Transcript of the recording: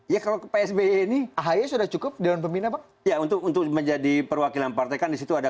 ya kalau psb ini ahaya sudah cukup dewan pembina pak untuk menjadi perwakilan partai kan disitu ada